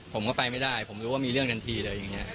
ผมก็ไปไม่ได้ผมรู้ว่ามีเรื่องทันทีเลย